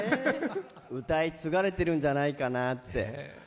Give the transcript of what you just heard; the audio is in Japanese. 歌い継がれてるんじゃないかなって。